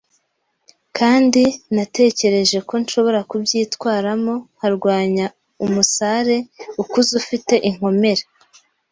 kandi natekereje ko nshobora kubyitwaramo nkarwanya umusare ukuze ufite inkomere